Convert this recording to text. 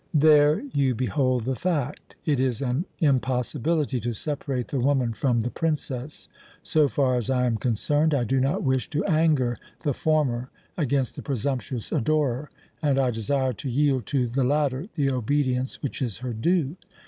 "There you behold the fact. It is an impossibility to separate the woman from the princess. So far as I am concerned, I do not wish to anger the former against the presumptuous adorer, and I desire to yield to the latter the obedience which is her due.